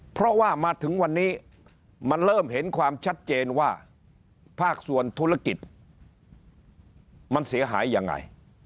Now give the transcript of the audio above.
เพราะว่ามาถึงวันนี้มันเริ่มเห็นความชัดเจนว่าภาคส่วนธุรกิจมันเสียหายยังไง